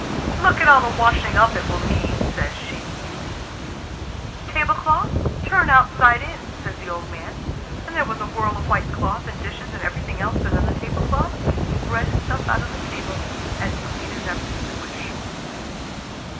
"Look at all the washing up it will mean," says she. "Tablecloth, turn outside in!" says the old man; and there was a whirl of white cloth and dishes and everything else, and then the tablecloth spread itself out on the table as clean as ever you could wish.